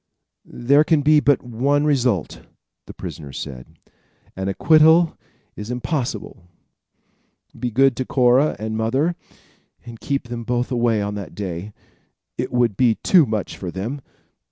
"There can be but one result," the prisoner said. "An acquittal is impossible. Be good to Cora and mother, and keep them both away on that day. It would be too much for them.